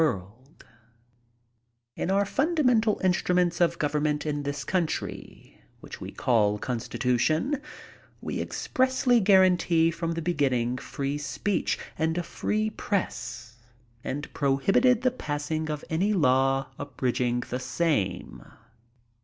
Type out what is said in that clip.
OiirL^acy (roia Caynor Digitized by VjOOQIC In our fundamental instruments of government in this country, which we call constitution, we expressly guaranteed from the beginning free speech and a free press, and prohibited the passing of any law abridg ing the same.